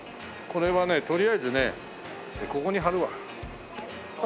これはねとりあえずねここに貼るわ。